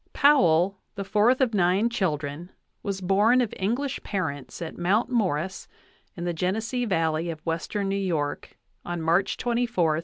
Powell, the fourth of nine children, was born of English parents at Mount Morris, in the Genesee Valley of western New York, on March 24, 1834.